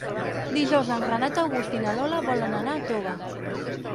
Dijous en Renat August i na Lola volen anar a Toga.